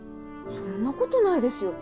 そんなことないですよ。